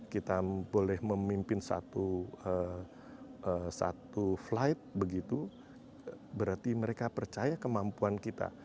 kita boleh memimpin satu flight begitu berarti mereka percaya kemampuan kita